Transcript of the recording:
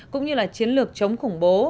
cũng như chiến lược chống khủng bố